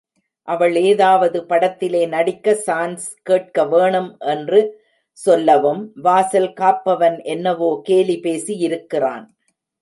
அவள் ஏதாவது படத்திலே நடிக்க சான்ஸ் கேட்கவேணும் என்று சொல்லவும், வாசல் காப்பவன் என்னவோ கேலி பேசியிருக்கிறான்.